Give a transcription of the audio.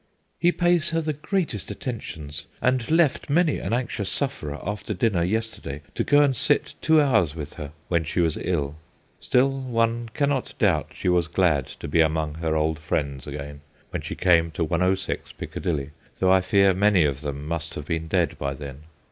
' He pays her the greatest attentions, and left many an anxious sufferer after dinner yesterday to go and sit two hours with her/ when she was ill. Still one cannot doubt she was glad to be among her old friends again when she came to 106 Piccadilly, 107 155 though I fear many of them must have been dead by then.